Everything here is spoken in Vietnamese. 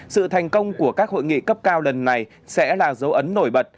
sự thành công của các hội nghị cấp cao lần này sẽ là dấu ấn nổi bật